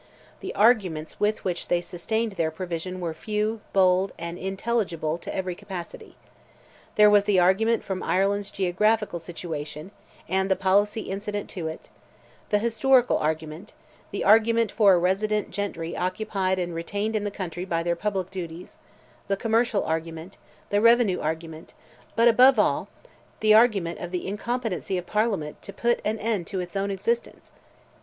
The arguments with which they sustained their position were few, bold, and intelligible to every capacity. There was the argument from Ireland's geographical situation, and the policy incident to it; the historical argument; the argument for a resident gentry occupied and retained in the country by their public duties; the commercial argument; the revenue argument; but above all, the argument of the incompetency of Parliament to put an end to its own existence.